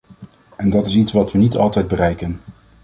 En dat is iets wat we niet altijd bereiken.